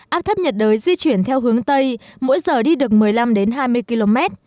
áp thấp nhiệt đới di chuyển theo hướng tây mỗi giờ đi được một mươi năm hai mươi km